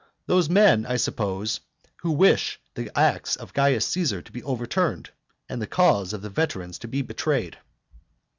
Those men, I suppose, who wish the acts of Caius Caesar to be overturned, and the cause of the veterans to be betrayed.